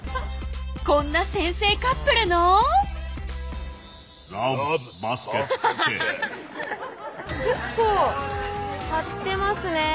こんな先生カップルの結構買ってますね